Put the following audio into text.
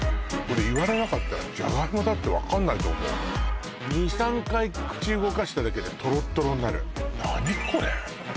これ言われなかったらじゃがいもって分かんないと思う２３回口動かしただけでとろっとろになる何これ？